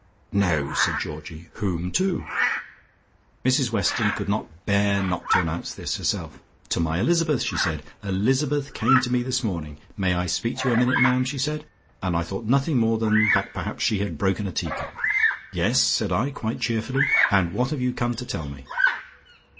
"No!" said Georgie. "Whom to?" Mrs Weston could not bear not to announce this herself. "To my Elizabeth," she said. "Elizabeth came to me this morning. 'May I speak to you a minute, ma'am?' she asked, and I thought nothing more than that perhaps she had broken a tea cup. 'Yes,' said I quite cheerfully, 'and what have you come to tell me?'"